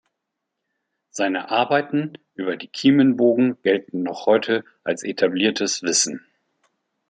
Seine Arbeiten über die Kiemenbogen gelten noch heute als etabliertes Wissen.